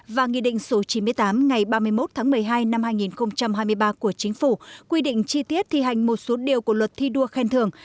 và nghị định số chín mươi tám ngày ba mươi một tháng một mươi hai năm hai nghìn hai mươi ba của chính phủ quy định chi tiết thi hành một số điều của luật thi đua khen thường